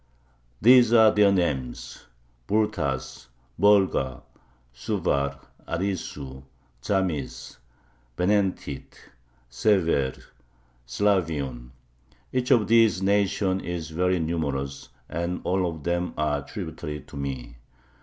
These are their names: Burtas, Bulgar, Suvar, Arisu, Tzarmis, Venentit, Sever, Slaviun. Each of these nations is very numerous, and all of them are tributary to me.